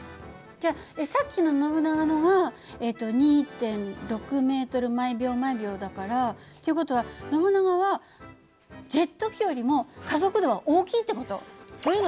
じゃさっきのノブナガのが２．６ｍ／ｓだから。っていう事はノブナガはジェット機よりも加速度は大きいって事！？